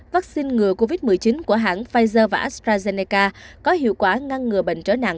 vaccine ngừa covid một mươi chín của hãng pfizer và astrazeneca có hiệu quả ngăn ngừa bệnh trở nặng